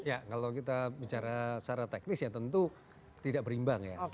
ya kalau kita bicara secara teknis ya tentu tidak berimbang ya